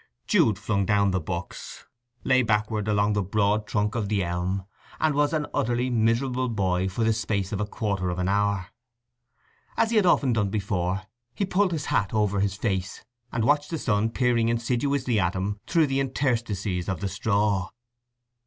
Jude flung down the books, lay backward along the broad trunk of the elm, and was an utterly miserable boy for the space of a quarter of an hour. As he had often done before, he pulled his hat over his face and watched the sun peering insidiously at him through the interstices of the straw.